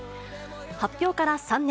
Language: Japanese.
発表から３年。